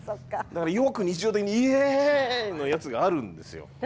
だからよく日常的に「イエイ！」のやつがあるんですよ。